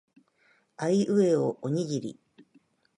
あいうえおおにぎり